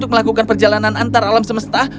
atau melakukan perjalanan antara alam semesta